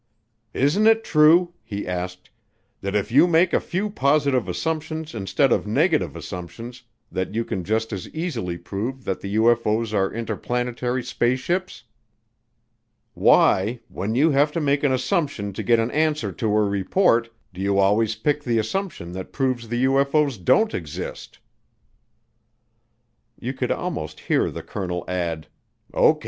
"Isn't it true," he asked, "that if you make a few positive assumptions instead of negative assumptions you can just as easily prove that the UFO's are interplanetary spaceships? Why, when you have to make an assumption to get an answer to a report, do you always pick the assumption that proves the UFO's don't exist?" You could almost hear the colonel add, "O.